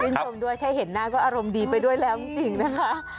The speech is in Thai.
ชมด้วยแค่เห็นหน้าก็อารมณ์ดีไปด้วยแล้วจริงนะคะ